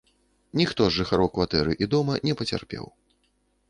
Ніхто з жыхароў кватэры і дома не пацярпеў.